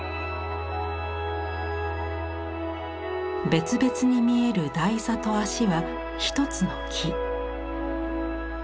別々に見える台座と足は一つの木。